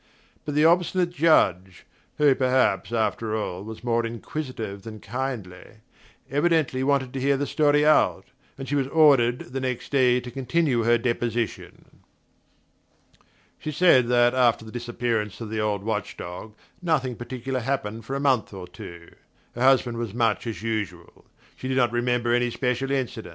But the obstinate Judge who perhaps, after all, was more inquisitive than kindly evidently wanted to hear the story out, and she was ordered, the next day, to continue her deposition. She said that after the disappearance of the old watch dog nothing particular happened for a month or two. Her husband was much as usual: she did not remember any special incident.